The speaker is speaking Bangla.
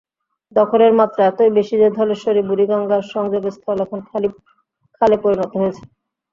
দখলের মাত্রা এতই বেশি যে, ধলেশ্বরী-বুড়িগঙ্গার সংযোগস্থল এখন খালে পরিণত হয়েছে।